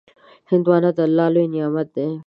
هندوانه د الله لوی نعمت دی.